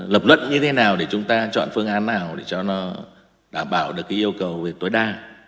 lập luận như thế nào để chúng ta chọn phương án nào để cho nó đảm bảo được cái yêu cầu về tối đa